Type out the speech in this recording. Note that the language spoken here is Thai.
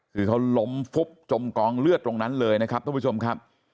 คือเขาล้มฟุบจมกองเลือดตรงนั้นเลยนะครับท่านผู้ชมครับ